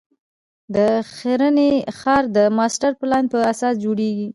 د ښرنې ښار د ماسټر پلان په اساس جوړېږي.